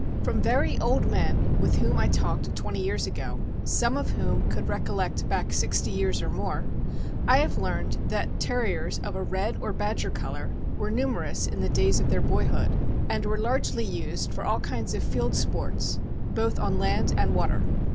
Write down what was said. From very old men with whom I talked twenty years ago, some of whom could recollect back sixty years or more, I have learned that Terriers of a red or badger color were numerous in the days of their boyhood, and were largely used for all kinds of field sports, both on land and water.